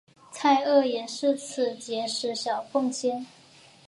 蔡锷也是在此结识小凤仙。